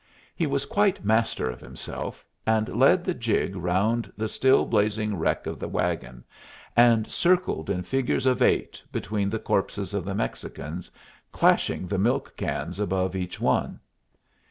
He was quite master of himself, and led the jig round the still blazing wreck of the wagon, and circled in figures of eight between the corpses of the Mexicans, clashing the milk cans above each one.